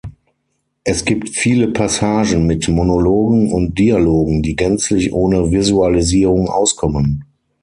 Es gibt viele Passagen mit Monologen und Dialogen, die gänzlich ohne Visualisierung auskommen.